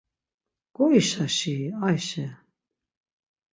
Goişaşi-i Ayşe.